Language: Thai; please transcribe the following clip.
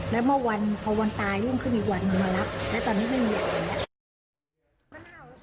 แล้วเมื่อวันพอวันตายลุ่มขึ้นอีกวันมารับแล้วตอนนี้ไม่มีอย่างนั้น